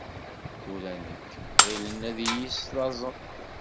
Tura nekk, ɣilen ad iyi-slaẓen?